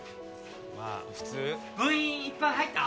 まあ普通部員いっぱい入った？